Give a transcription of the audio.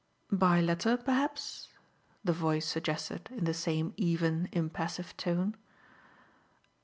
"By letter, perhaps?" the voice suggested in the same even, impassive tone.